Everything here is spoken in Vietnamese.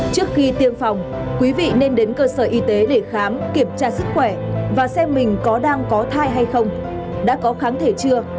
trước khi tiêm phòng quý vị nên đến cơ sở y tế để khám kiểm tra sức khỏe và xem mình có đang có thai hay không đã có kháng thể chưa